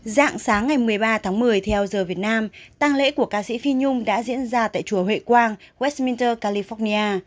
dạng sáng ngày một mươi ba tháng một mươi theo giờ việt nam tăng lễ của ca sĩ phi nhung đã diễn ra tại chùa huệ quang westminster california